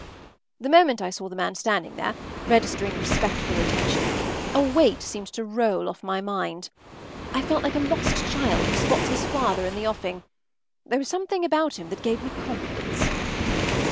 The moment I saw the man standing there, registering respectful attention, a weight seemed to roll off my mind. I felt like a lost child who spots his father in the offing. There was something about him that gave me confidence.